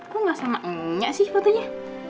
kok gak sama nya sih fotonya